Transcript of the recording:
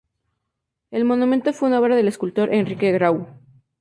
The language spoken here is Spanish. El monumento fue una obra del escultor Enrique Grau.